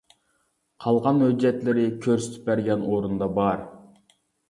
قالغان ھۆججەتلىرى كۆرسىتىپ بەرگەن ئورۇندا بار.